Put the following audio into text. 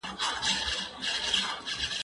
زه به اوږده موده زدکړه کړې وم!.